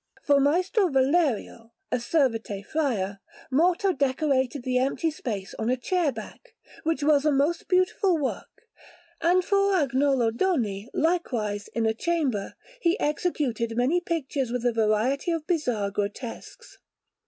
For Maestro Valerio, a Servite friar, Morto decorated the empty space on a chair back, which was a most beautiful work; and for Agnolo Doni, likewise, in a chamber, he executed many pictures with a variety of bizarre grotesques.